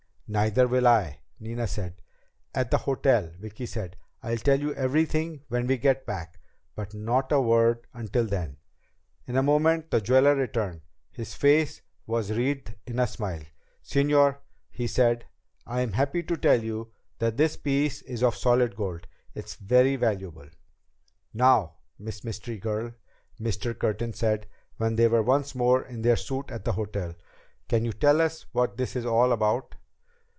"Neither will I," Nina said. "At the hotel," Vicki said. "I'll tell you everything when we get back. But not a word until then." In a moment the jeweler returned. His face was wreathed in a smile. "Señor," he said, "I am happy to tell you that this piece is of solid gold. It is very valuable." "Now, Miss Mystery Girl," Mr. Curtin said when they were once more in their suite at the hotel. "Can you tell us what this is all about?"